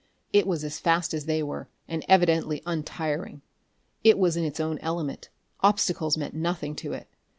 It was as fast as they were, and evidently untiring. It was in its own element; obstacles meant nothing to it.